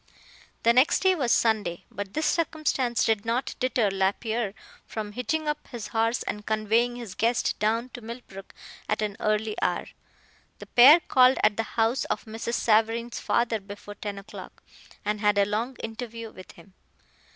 The next day was Sunday, but this circumstance did not deter Lapierre from hitching up his horse and conveying his guest down to Millbrook at an early hour. The pair called at the house of Mrs. Savareen's father before ten o'clock, and had a long interview with him.